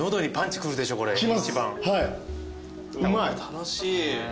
楽しい。